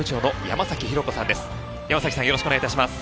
山さんよろしくお願い致します。